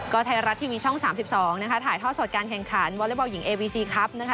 ไทยรัฐทีวีช่อง๓๒นะคะถ่ายท่อสดการแข่งขันวอเล็กบอลหญิงเอวีซีครับนะคะ